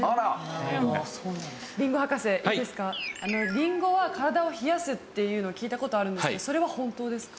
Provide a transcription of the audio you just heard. りんごは体を冷やすっていうのを聞いた事あるんですけどそれは本当ですか？